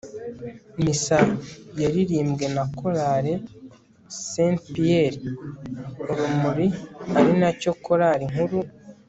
missa yaririmbwe na chorale st pierre urumuri ari nayo chorale nkuru